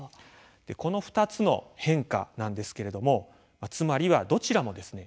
この２つの変化なんですけれどもまあつまりはどちらもですね